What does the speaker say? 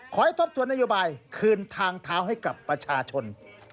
ทบทวนนโยบายคืนทางเท้าให้กับประชาชน